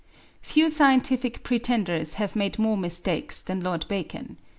"Few scientific pretenders have made more mistakes than Lord Bacon.